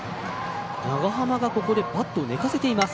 長濱がバットを寝かしています。